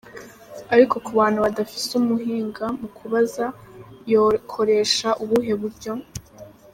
Ariko ku bantu badafise umuhinga mu kubaza - Yokoresha ubuhe buryo?.